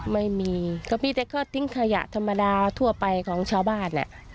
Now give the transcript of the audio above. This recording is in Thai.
ไม่มีเค้ามีแต่เค้าทิ้งขยะธรรมดาทั่วไปของชาวบ้านอ่ะ